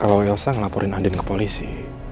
kalau wilsa ngelaporin andin ke polisi